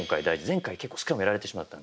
前回結構スクラムやられてしまったので。